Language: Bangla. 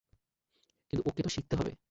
কিন্তু ওকে তো শিখতে হবে।